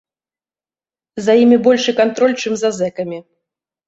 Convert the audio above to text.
За імі большы кантроль, чым за зэкамі.